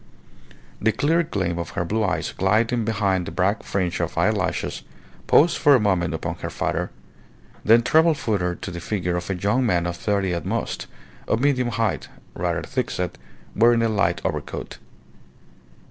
The clear gleam of her blue eyes gliding behind the black fringe of eyelashes paused for a moment upon her father, then travelled further to the figure of a young man of thirty at most, of medium height, rather thick set, wearing a light overcoat.